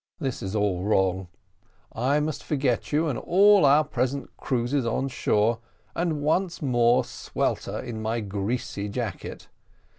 This is all wrong; I must forget you and all our pleasant cruises on shore, and once more swelter in my greasy jacket.